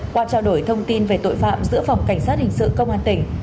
qua trao đổi thông tin về tội phạm giữa phòng cảnh sát hình sự công an tỉnh